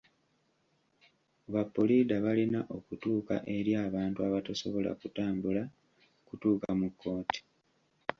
Ba puliida balina okutuuka eri abantu abatasobola kutambula kutuuka mu kkooti.